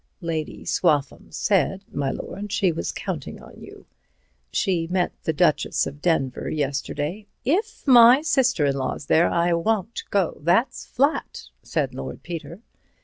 "Lady Swaffham said, my lord, she was counting on you. She met the Duchess of Denver yesterday—" "If my sister in law's there I won't go, that's flat," said Lord Peter.